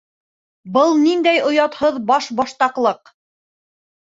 Был ниндәй оятһыҙ баш-баштаҡлыҡ!